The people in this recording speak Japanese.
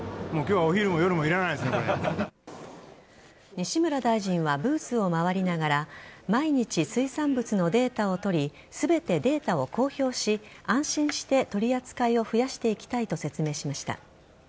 西村大臣はブースを回りながら毎日、水産物のデータを取り全てデータを公表し安心して取り扱いを増やしていきたいと説明しました。